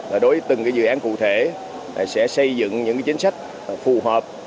đối với từng dự án cụ thể sẽ xây dựng những chính sách phù hợp